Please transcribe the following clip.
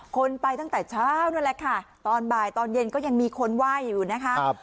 คนไปตั้งแต่เช้านั่นแหละค่ะตอนบ่ายตอนเย็นก็ยังมีคนไหว้อยู่นะคะ